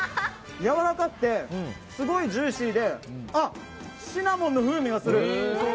やわらかくてすごいジューシーでシナモンの風味がする！